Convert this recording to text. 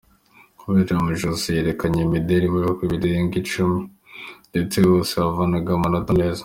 Kabagema Josée yerekanye imideli mu bihugu birenga icumi ndetse hose yahavanaga amanota meza.